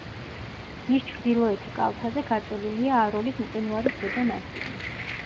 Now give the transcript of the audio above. მის ჩრდილოეთი კალთაზე გაწოლილია აროლის მყინვარის ზედა ნაწილი.